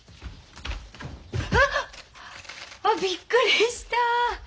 うわっ！あびっくりした。